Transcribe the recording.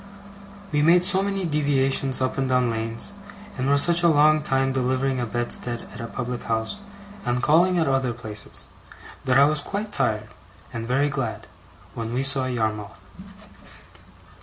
We made so many deviations up and down lanes, and were such a long time delivering a bedstead at a public house, and calling at other places, that I was quite tired, and very glad, when we saw Yarmouth.